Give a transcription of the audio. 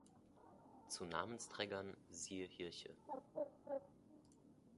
Zu Namensträgern siehe Hirche